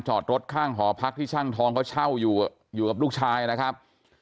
จอดรถข้างหอพักที่ช่างทองเขาเช่าอยู่อยู่กับลูกชายนะครับ